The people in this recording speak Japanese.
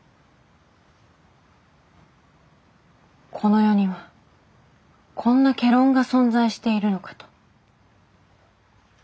この世にはこんな戯論が存在しているのかと。